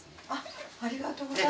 ありがとうございます。